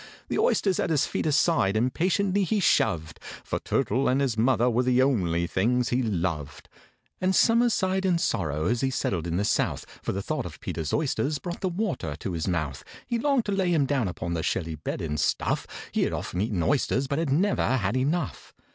The oysters at his feet aside impatiently he shoved, For turtle and his mother were the only things he loved. And SOMERS sighed in sorrow as he settled in the south, For the thought of PETER'S oysters brought the water to his mouth. He longed to lay him down upon the shelly bed, and stuff: He had often eaten oysters, but had never had enough.